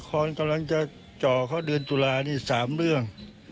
ครับมีนะละครกำลังจะจ่อก็เดือนตุลานี่สามเรื่อง